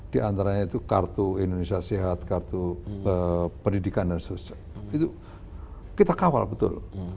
di antaranya itu kartu indonesia sehat kartu pendidikan dan sebagainya itu kita kawal betul